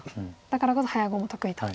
だからこそ早碁も得意と。